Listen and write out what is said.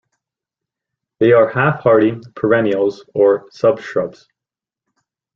They are half-hardy perennials or subshrubs.